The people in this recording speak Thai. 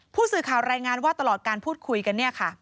ผู้สื่อข่าวรายงานว่าตลอดการพูดคุยกัน